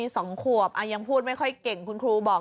สองขวบยังพูดไม่ค่อยเก่งคุณครูบอก